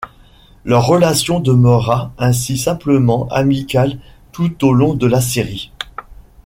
Leur relation demeurera, ainsi, simplement amicale tout au long de la série.